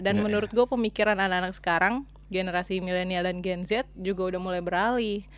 dan menurut gue pemikiran anak anak sekarang generasi millennial dan gen z juga udah mulai beralih